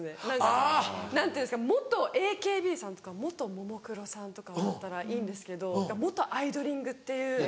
何か何ていうんですか元ＡＫＢさんとか元ももクロさんとかだったらいいんですけど元アイドリング！！！っていう。